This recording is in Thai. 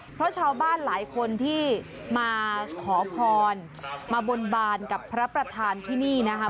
เพราะชาวบ้านหลายคนที่มาขอพรมาบนบานกับพระประธานที่นี่นะคะ